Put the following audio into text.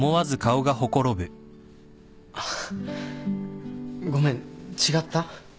ああごめん違った？